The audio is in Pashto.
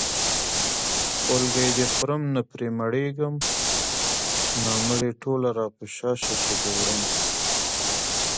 خولګۍ دې خورم نه پرې مړېږم نامرې ټوله راپشا شه چې دې وړمه